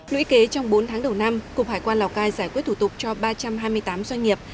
lũy kế trong bốn tháng đầu năm cục hải quan lào cai giải quyết thủ tục cho ba trăm hai mươi tám doanh nghiệp